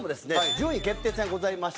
順位決定戦がございまして。